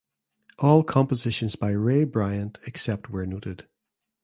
All compositions by Ray Bryant except where noted